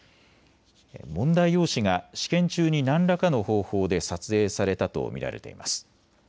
問題用紙が試験中に何らかの方法で撮影されたと見られています。